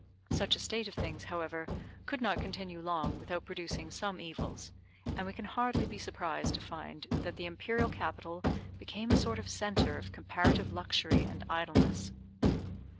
Such a state of things, however, could not continue long without producing some evils; and we can hardly be surprised to find that the Imperial capital became a sort of centre of comparative luxury and idleness.